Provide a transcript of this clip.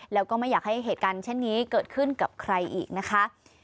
แล้วก็ไม่อยากให้เหตุการณ์เช่นนี้เกิดขึ้นกับใครอีกนะคะ